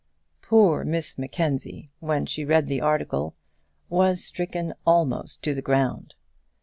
Poor Miss Mackenzie, when she read the article, was stricken almost to the ground.